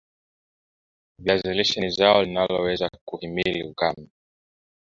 viazi lishe ni zao linaloweza kuhimili ukame